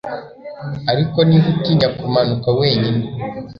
ariko niba utinya kumanuka wenyine